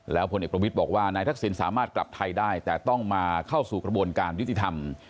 พลเอกประวิทย์บอกว่านายทักษิณสามารถกลับไทยได้แต่ต้องมาเข้าสู่กระบวนการยุติธรรม